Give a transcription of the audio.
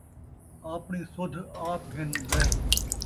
آپݨی سدھ آپ گھن, لہہ